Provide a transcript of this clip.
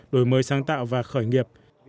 đổi mới sáng tạo và khởi nghiệp